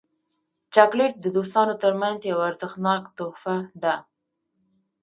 چاکلېټ د دوستانو ترمنځ یو ارزښتناک تحفه ده.